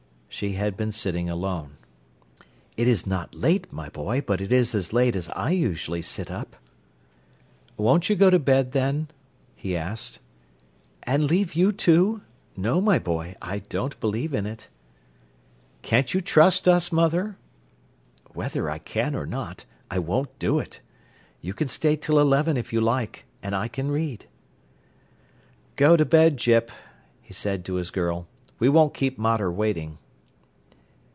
She had been sitting alone. "It is not late, my boy, but it is as late as I usually sit up." "Won't you go to bed, then?" he asked. "And leave you two? No, my boy, I don't believe in it." "Can't you trust us, mother?" "Whether I can or not, I won't do it. You can stay till eleven if you like, and I can read." "Go to bed, Gyp," he said to his girl. "We won't keep mater waiting."